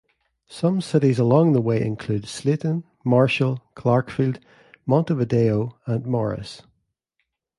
Some cities along the way include Slayton, Marshall, Clarkfield, Montevideo, and Morris.